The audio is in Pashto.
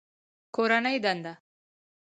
کورنۍ دنده